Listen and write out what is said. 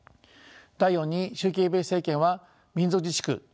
第４に習近平政権は民族自治区